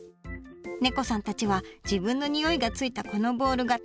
ねこさんたちは自分のにおいがついたこのボールが大層お気に入り。